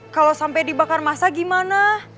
kalau sampai dibakar masa gimana